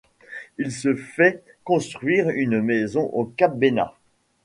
Il se fait construire une maison au cap Bénat.